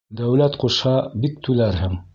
Дәүләт ҡушһа, бик түләрһең.